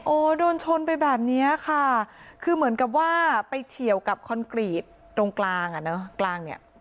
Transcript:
โอ้โหโดนชนไปแบบนี้ค่ะคือเหมือนกับว่าไปเฉียวกับคอนกรีตตรงกลางอ่ะเนอะ